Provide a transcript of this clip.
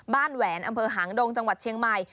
แหวนอำเภอหางดงจังหวัดเชียงใหม่